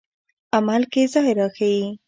عمل کې ځان راښيي.